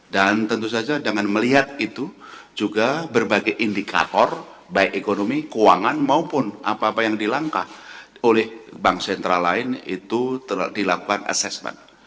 dan tentu saja dengan melihat itu juga berbagai indikator baik ekonomi keuangan maupun apa apa yang dilangkah oleh bank sentral lain itu dilakukan asesmen